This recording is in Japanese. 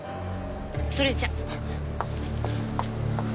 それじゃ。